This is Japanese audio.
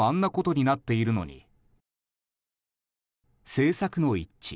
政策の一致